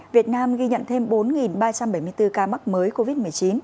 việt nam ghi nhận thêm bốn ba trăm bảy mươi bốn ca mắc mới covid một mươi chín